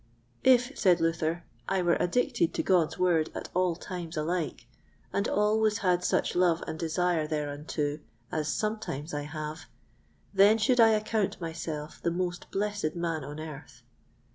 If, said Luther, I were addicted to God's Word at all times alike, and always had such love and desire thereunto as sometimes I have, then should I account myself the most blessed man on earth.